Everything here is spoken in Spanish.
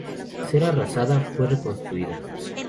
Tras ser arrasada, fue reconstruida.